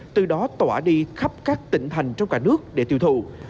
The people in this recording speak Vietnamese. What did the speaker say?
từ đó tỏa đi khắp các tỉnh thành trong cả nước để tiêu thụ